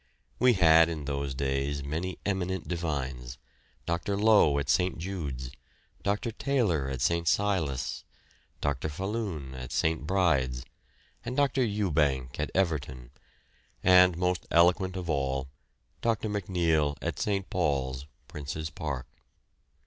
We had in those days many eminent divines, Dr. Lowe at St. Jude's, Dr. Taylor at St. Silas', Dr. Falloon at St. Bride's, and Mr. Ewbank at Everton, and most eloquent of all, Dr. MacNeile at St. Paul's, Prince's Park.